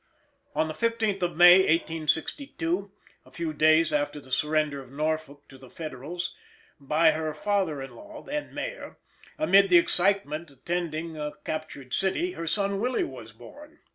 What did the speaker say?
On the 15th of May 1862, a few days after the surrender of Norfolk to the Federals, by her father in law, then mayor, amid the excitement attending a captured city, her son Willie was born.